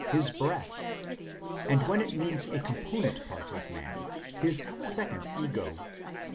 his breath, and when it means a component part of man, his second ego.